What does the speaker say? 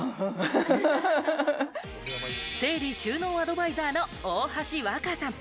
整理収納アドバイザーの大橋わかさん。